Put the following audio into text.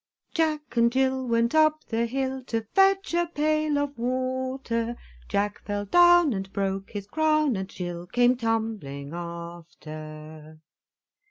Jack and Jill went up the hill, To fetch a pail of water; Jack fell down, and broke his crown And Jill came tumbling after.